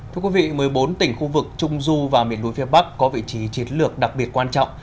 thưa quý vị một mươi bốn tỉnh khu vực trung du và miền núi phía bắc có vị trí chiến lược đặc biệt quan trọng